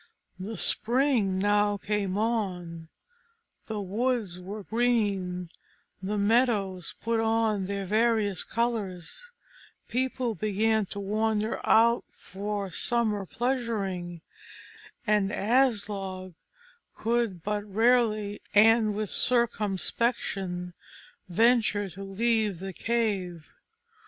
The spring now came on the woods were green the meadows put on their various colors, people began to wander out for summer pleasuring, and Aslog could but rarely and with circumspection venture to leave the cave.